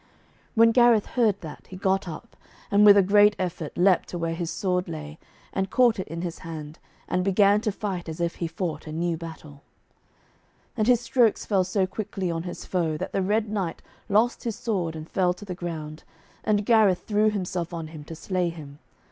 When Gareth heard that, he got up, and with a great effort leaped to where his sword lay, and caught it in his hand, and began to fight as if he fought a new battle. [Illustration: THE LADY LYONORS Page 84] And his strokes fell so quickly on his foe, that the Red Knight lost his sword and fell to the ground, and Gareth threw himself on him to slay him.